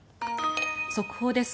速報です。